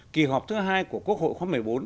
kỳ họp thứ hai của quốc hội khóa một mươi bốn